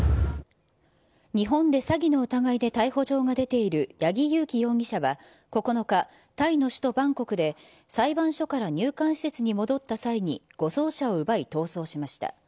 日本で詐欺の疑いで逮捕状が出ている八木佑樹容疑者は、９日、タイの首都バンコクで裁判所から入管施設に戻った際に、護送車を奪い逃走しました。